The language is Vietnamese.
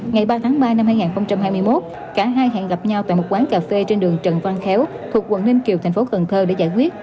ngày ba tháng ba năm hai nghìn hai mươi một cả hai hẹn gặp nhau tại một quán cà phê trên đường trần văn khéo thuộc quận ninh kiều thành phố cần thơ để giải quyết